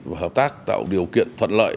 và hợp tác tạo điều kiện thuận lợi